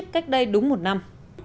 cách đây đúng một năm